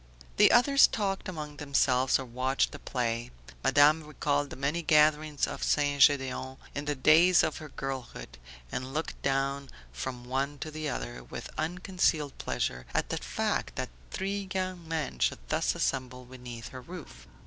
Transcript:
The others talked among themselves or watched the play. Madame recalled the many gatherings at St. Gedeon in the days of her girlhood, and looked from one to the other, with unconcealed pleasure at the fact that three young men should thus assemble beneath her roof.